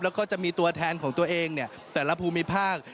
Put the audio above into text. แล้วก็จะมีตัวแทนของตัวเองแต่ละภูมิภาค